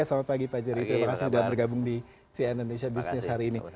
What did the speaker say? selamat pagi pak jerry terima kasih sudah bergabung di cn indonesia business hari ini